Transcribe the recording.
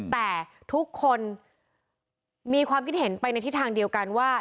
แต่ทุกคนมีความคิดเห็นไปในทิศทางเดียวกันว่า